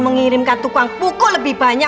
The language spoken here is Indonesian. mengirimkan tukang pukul lebih banyak